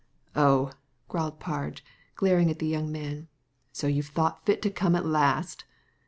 Oh 1 " growled Parge, glaring at the young man, "so you've thought fit to come at last?"